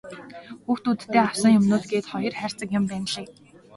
Хүүхдүүддээ авсан юмнууд гээд хоёр хайрцаг юм байнлээ.